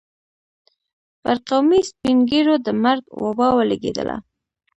پر قومي سپين ږيرو د مرګ وبا ولګېدله.